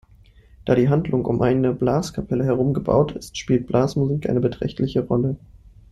Da die Handlung um eine Blaskapelle herum gebaut ist, spielt Blasmusik eine beträchtliche Rolle.